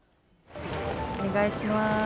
お願いします。